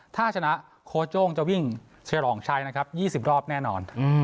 ถ้าชนะโคดโยงจะวิ่งเฉรองใช้๒๐รอบแน่นอน